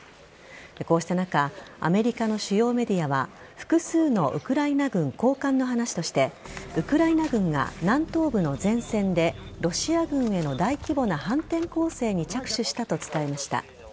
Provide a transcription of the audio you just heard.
こうした中アメリカの主要メディアは複数のウクライナ軍高官の話としてウクライナ軍が南東部の前線でロシア軍への大規模な反転攻勢に着手したと伝えました。